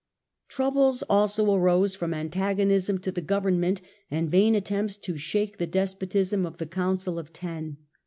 Troubles also arose from antagonism to the govern ment, and vain attempts to shake the despotism of the Council of Ten.